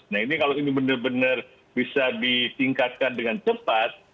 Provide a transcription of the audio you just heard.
nah ini kalau ini benar benar bisa ditingkatkan dengan cepat